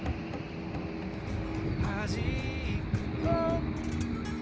「はじくと」